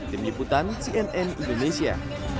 tim liputan cnn indonesia